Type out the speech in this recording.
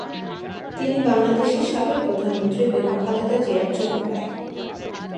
তিনি বাংলাদেশের সাবেক প্রধানমন্ত্রী বেগম খালেদা জিয়ার ছোট ভাই।